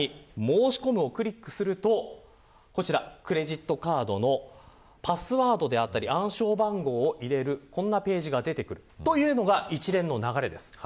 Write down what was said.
さらに申し込むをクリックするとこちら、クレジットカードのパスワードだったり暗証番号を入れる、こんなページが出てくるというのが一連の流れです。